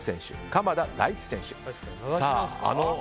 鎌田大地選手。